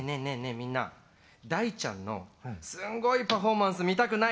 みんな大ちゃんのすんごいパフォーマンス見たくない？